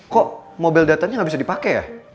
kok mobile datanya gak bisa dipake ya